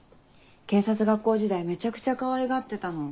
警察学校時代めちゃくちゃかわいがってたの。